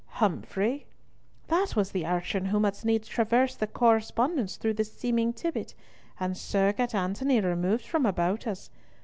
"Humfrey! That was the urchin who must needs traverse the correspondence through the seeming Tibbott, and so got Antony removed from about us.